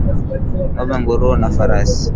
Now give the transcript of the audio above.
Ngombe nguruwe na farasi